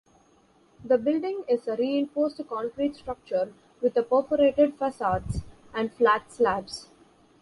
The building is a reinforced concrete structure with a perforated facades and flat slabs.